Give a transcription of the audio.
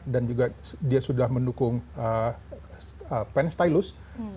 dan juga dia sudah mendukung pen stylus